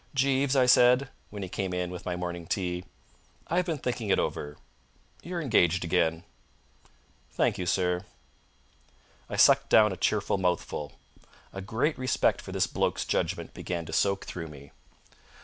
"Jeeves," I said, when he came in with my morning tea, "I've been thinking it over. You're engaged again." "Thank you, sir." I sucked down a cheerful mouthful. A great respect for this bloke's judgment began to soak through me.